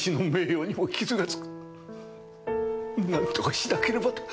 何とかしなければと。